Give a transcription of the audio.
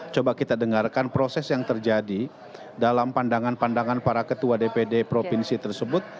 coba kita dengarkan proses yang terjadi dalam pandangan pandangan para ketua dpd provinsi tersebut